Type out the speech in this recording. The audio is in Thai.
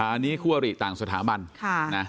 อันนี้คู่อริต่างสถาบัน